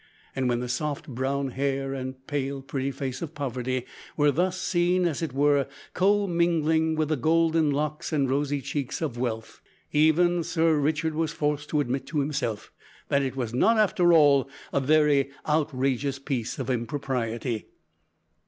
And, when the soft brown hair and pale pretty face of Poverty were thus seen as it were co mingling with the golden locks and rosy cheeks of Wealth, even Sir Richard was forced to admit to himself that it was not after all a very outrageous piece of impropriety!